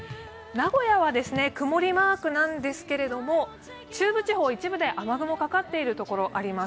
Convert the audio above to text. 名古屋は曇りマークなんですが、中部地方一部で雨雲がかかっている所があります。